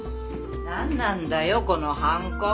何なんだよこのハンコ。